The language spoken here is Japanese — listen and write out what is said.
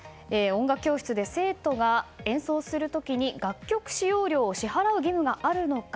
音楽教室で生徒が演奏する時に楽曲使用料を支払う義務があるのか。